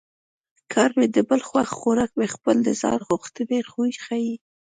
کار مې د بل خوښ خوراک مې خپل د ځان غوښتنې خوی ښيي